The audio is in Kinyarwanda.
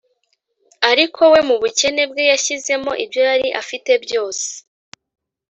ariko we mu bukene bwe yashyizemo ibyo yari afite byose